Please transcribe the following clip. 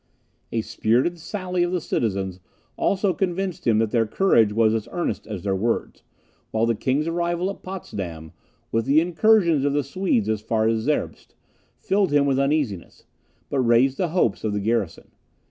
A spirited sally of the citizens, also convinced him that their courage was as earnest as their words, while the king's arrival at Potsdam, with the incursions of the Swedes as far as Zerbst, filled him with uneasiness, but raised the hopes of the garrison.